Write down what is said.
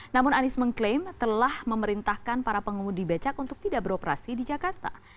namun anies mengklaim telah memerintahkan para pengemudi becak untuk tidak beroperasi di jakarta